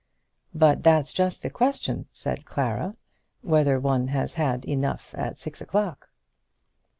"But that's just the question," said Clara; "whether one has had enough at six o'clock."